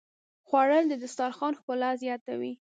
خوړل د دسترخوان ښکلا زیاتوي